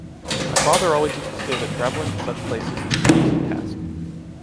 My father always used to say that traveling to such places is an easy task.